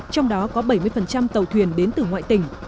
trong đó có bảy mươi tàu thuyền đến từ ngoại tỉnh